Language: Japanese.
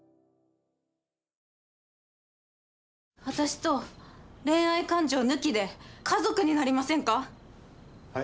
私と恋愛感情抜きで家族になりませんか？